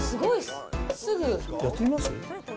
やってみます？